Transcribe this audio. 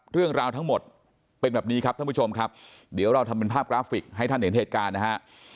เรื่องราวทั้งหมดเป็นแบบนี้ครับท่านผู้ชมครับเดี๋ยวเราทำเป็นภาพกราฟิกให้ท่านเห็นเหตุการณ์นะฮะ